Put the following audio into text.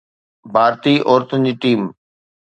ڀارتي عورتن جي ٽيم